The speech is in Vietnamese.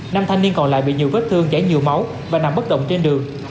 năm thanh niên còn lại bị nhiều vết thương chảy nhiều máu và nằm bất động trên đường